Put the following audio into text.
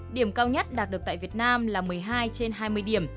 điểm cao nhất đạt được tại việt nam là một mươi hai trên hai mươi điểm